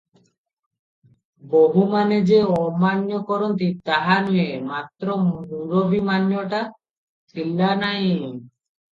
ବୋହୂମାନେ ଯେ ଅମାନ୍ୟ କରନ୍ତି ତାହା ନୁହେଁ, ମାତ୍ର ମୁରବୀ ମାନ୍ୟଟା ଥିଲା ନାହିଁ ।